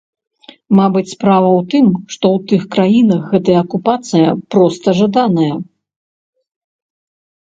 Мабыць, справа ў тым, што ў тых краінах гэтая акупацыя проста жаданая.